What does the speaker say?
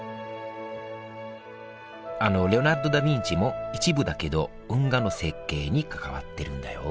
あのレオナルド・ダ・ヴィンチも一部だけど運河の設計に関わってるんだよ